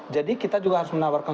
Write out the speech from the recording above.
jadi kita juga harus menawarkan